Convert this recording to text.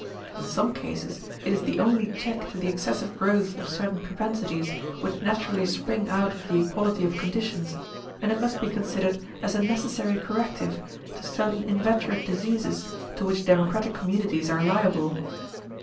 In some cases it is the only check to the excessive growth of certain propensities which naturally spring out of the equality of conditions, and it must be considered as a necessary corrective to certain inveterate diseases to which democratic communities are liable.